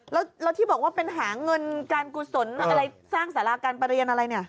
แล้วที่บอกว่าเป็นหาเงินการกุศลอะไรสร้างสาราการประเรียนอะไรเนี่ย